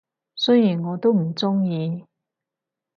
雖然我都唔鍾意